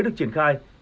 được triển khai